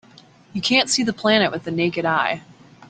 You can't see the planet with the naked eye.